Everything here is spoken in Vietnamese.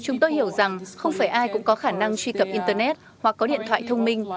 chúng tôi hiểu rằng không phải ai cũng có khả năng truy cập internet hoặc có điện thoại thông minh